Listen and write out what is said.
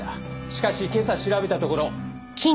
しかし今朝調べたところ。